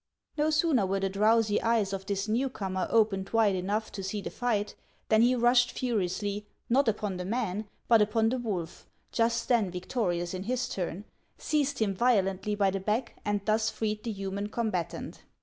No sooner were the drowsy eyes of this new comer opened .wide enough to see the fight, than he rushed furiously, not upon the man, but upon the wolf, just then victorious in his turn, seized him violently by the back, and thus freed the human combatant.